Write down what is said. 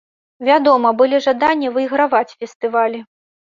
Вядома, былі жаданні выйграваць фестывалі.